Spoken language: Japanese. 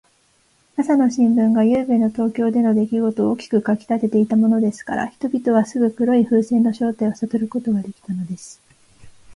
朝の新聞が、ゆうべの東京でのできごとを大きく書きたてていたものですから、人々はすぐ黒い風船の正体をさとることができたのです。